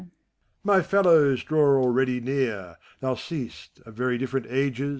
My fellows draw already near! Thou seest, of very different ages.